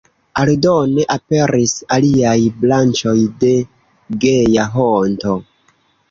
Aldone aperis aliaj branĉoj de Geja Honto.